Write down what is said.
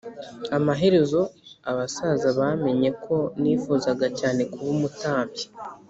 Amaherezo abasaza bamenye ko nifuzaga cyane kuba umutambyi